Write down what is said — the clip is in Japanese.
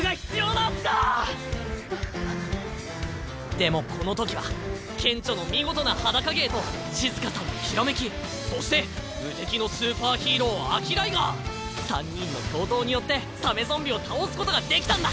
でもこのときはケンチョの見事な裸芸とシズカさんのひらめきそして無敵のスーパーヒーローアキライガー三人の共闘によってサメゾンビを倒すことができたんだ！